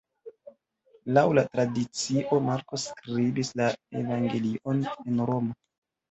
Laŭ la tradicio Marko skribis la evangelion en Romo.